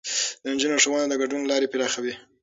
د نجونو ښوونه د ګډون لارې پراخوي.